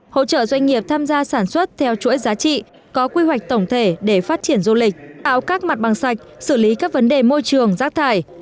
hỗ trợ doanh nghiệp tham gia sản xuất theo chuỗi giá trị có quy hoạch tổng thể để phát triển du lịch tạo các mặt bằng sạch xử lý các vấn đề môi trường rác thải